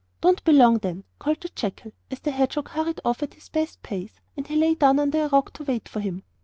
'Don't be long, then,' called the jackal, as the hedgehog hurried off at his best pace. And he lay down under a rock to wait for him.